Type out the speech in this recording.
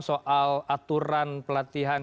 soal aturan pelatihan